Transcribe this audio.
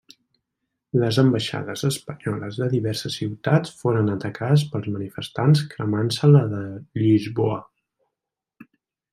Les ambaixades espanyoles de diverses ciutats foren atacades pels manifestants cremant-se la de Lisboa.